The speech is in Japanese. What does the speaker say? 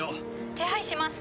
手配します。